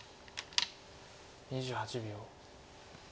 ２８秒。